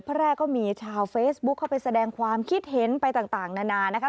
แรกก็มีชาวเฟซบุ๊คเข้าไปแสดงความคิดเห็นไปต่างนานานะคะ